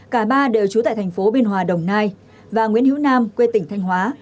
cả ba đều trú tại thành phố biên hòa đồng nai và nguyễn hữu nam quê tỉnh thanh hóa